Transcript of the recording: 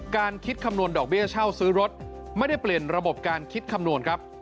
การคิดคำนวณดอกเบี้ยเช่าซื้อรถไม่ได้เปลี่ยนระบบการคิดคำนวณครับ